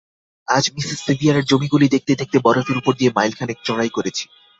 আজ মিসেস সেভিয়ারের জমিগুলি দেখতে দেখতে বরফের উপর দিয়ে মাইলখানেক চড়াই করেছি।